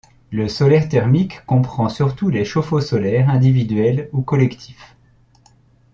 Le solaire thermique comprend surtout les chauffe-eau solaires individuels ou collectifs.